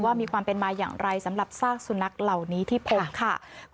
มีความเป็นมาอย่างไรสำหรับซากสุนัขเหล่านี้ที่พบค่ะ